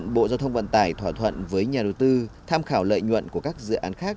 bot đã có một thỏa thuận với nhà đầu tư tham khảo lợi nhuận của các dự án khác